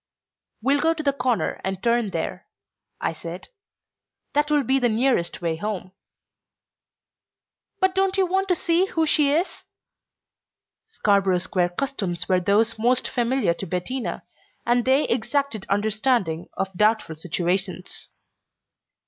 "We'll go to the corner and turn there," I said. "That will be the nearest way home." "But don't you want to see who she is?" Scarborough Square customs were those most familiar to Bettina, and they exacted understanding of doubtful situations.